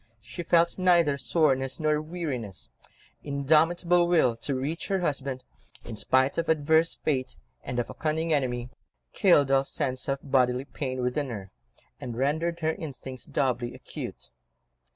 She felt neither soreness nor weariness; indomitable will to reach her husband in spite of adverse Fate, and of a cunning enemy, killed all sense of bodily pain within her, and rendered her instincts doubly acute.